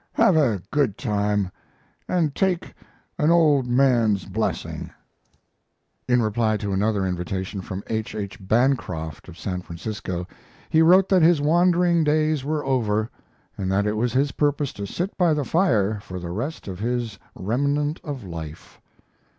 Have a good time and take an old man's blessing. In reply to another invitation from H. H. Bancroft, of San Francisco, he wrote that his wandering days were over, and that it was his purpose to sit by the fire for the rest of his "remnant of life."